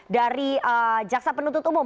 dari jaksa penuntut umum